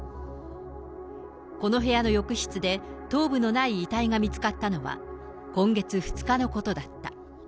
この部屋の浴室で頭部のない遺体が見つかったのは、今月２日のことだった。